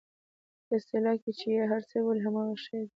په اصطلاح کې چې یې هر څه بولئ همغه شی دی.